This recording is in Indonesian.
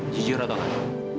jujur atau enggak